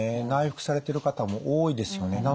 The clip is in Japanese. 内服されてる方も多いですよね。